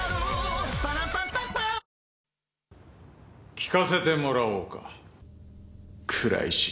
聞かせてもらおうか倉石。